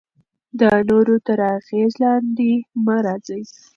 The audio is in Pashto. د نورو تر اغیز لاندې مه راځئ.